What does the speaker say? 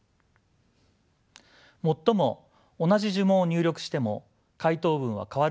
もっとも同じ呪文を入力しても回答文は変わることがあります。